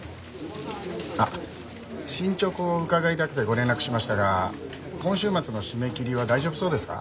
あっ進捗を伺いたくてご連絡しましたが今週末の締め切りは大丈夫そうですか？